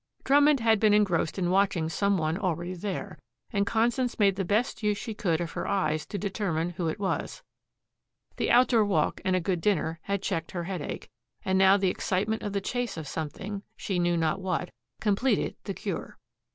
Drummond had been engrossed in watching some one already there, and Constance made the best use she could of her eyes to determine who it was. The outdoor walk and a good dinner had checked her headache, and now the excitement of the chase of something, she knew not what, completed the cure.